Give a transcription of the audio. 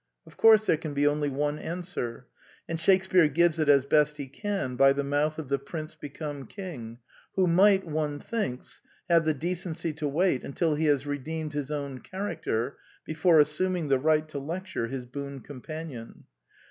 ' Of course there can be only one answer; and Shakespear gives it as best he can by the mouth of the prince become king, who might, one thinks, have the decency to wait until he has redeemed his own character before assuming the right to lecture his boon companion.